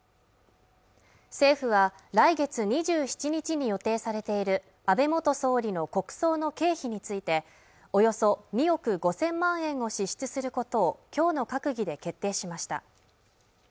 政府は来月２７日に予定されている安倍元総理の国葬の経費についておよそ２億５０００万円を支出することをきょうの閣議で決定しました